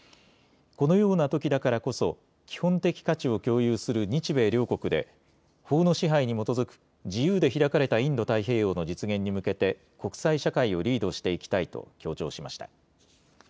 このようなときだからこそ基本的価値を共有する日米両国で法の支配に基づく自由で開かれたインド太平洋の実現に向けて国際社会をリードしていきたいと強調しました。